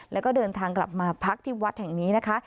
แล้วก็เดินทางกลับมาพักที่วัดแห่งนี้นะคะ